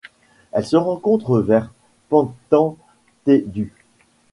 Elle se rencontre vers Panthanthedu.